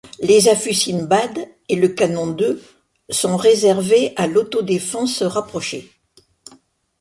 Les affûts Simbad et le canon de sont réservés à l'autodéfense rapprochée.